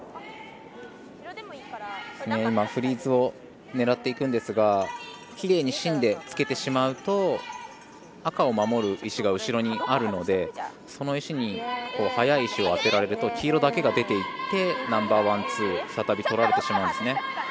フリーズを狙っていくんですがきれいに芯でつけてしまうと赤を守る石が後ろにあるのでその石に速い石を当てられると黄色だけが出ていってナンバーワン、ツー再びとられてしまうんですね。